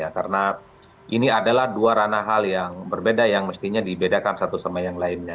karena ini adalah dua ranah hal yang berbeda yang mestinya dibedakan satu sama yang lainnya